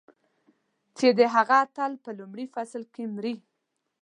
چې د هغه اتل په لومړي فصل کې مري.